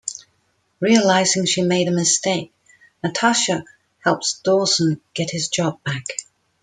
Realizing she made a mistake, Natasha helps Dawson get his job back.